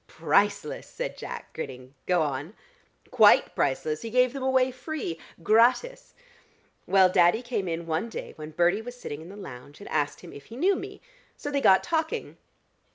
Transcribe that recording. "Priceless!" said Jack grinning. "Go on." "Quite priceless: he gave them away free, gratis. Well, Daddy came in one day when Bertie was sitting in the lounge, and asked him if he knew me. So they got talking.